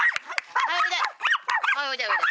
はいおいでおいで。